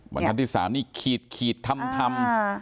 บรรทัศน์ที่สามนี่ขีดขีดท่ำท่ำ